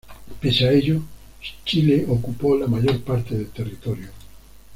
Pese a ello, Chile ocupó la mayor parte del territorio.